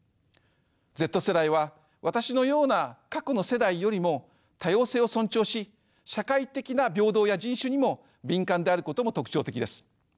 Ｚ世代は私のような過去の世代よりも多様性を尊重し社会的な平等や人種にも敏感であることも特徴的です。